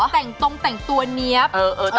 แต่งตรงแต่งตัวเนี๊ยบ